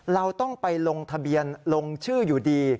เราต้องไปลงทะเบียนลงชื่ออยู่ดี